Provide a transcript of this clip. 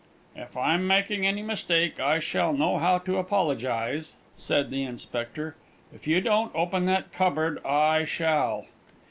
"If I'm making any mistake, I shall know how to apologise," said the Inspector. "If you don't open that cupboard, I shall."